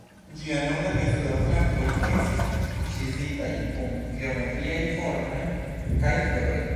Ĝia norda kaj suda flankoj estas ĉizitaj kun geometriaj formoj kaj floroj.